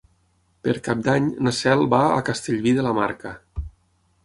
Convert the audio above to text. Per Cap d'Any na Cel va a Castellví de la Marca.